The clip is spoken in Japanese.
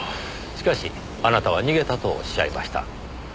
しかしあなたは「逃げた」とおっしゃいました。